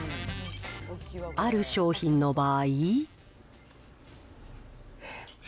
ある商品の場合。